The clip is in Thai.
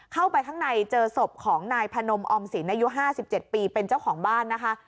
เข้าไปข้างในเจอศพของนายพนมออมสินอายุ๕๗ปีเป็นเจ้าของบ้านนะคะ